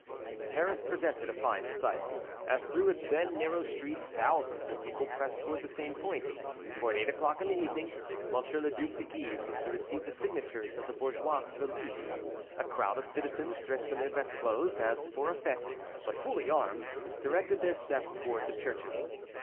Paris presented a fine sight, as through its then narrow streets thousands of people pressed towards the same point, for at eight o'clock in the evening, M. le Duc de Guise was to receive the signatures of the bourgeois to the League. A crowd of citizens, dressed in their best clothes, as for a fête, but fully armed, directed their steps towards the churches.